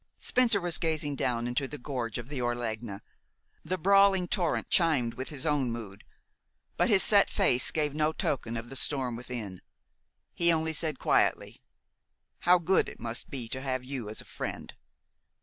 Spencer was gazing down into the gorge of the Orlegna. The brawling torrent chimed with his own mood; but his set face gave no token of the storm within. He only said quietly, "How good it must be to have you as a friend!"